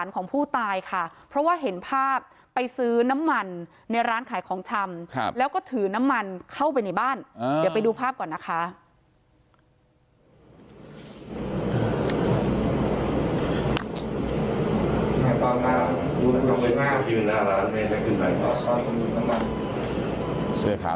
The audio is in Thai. เข้าไปในบ้านเดี๋ยวไปดูภาพก่อนนะคะ